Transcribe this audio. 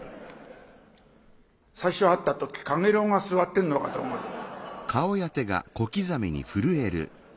最初会った時かげろうが座ってんのかと思った。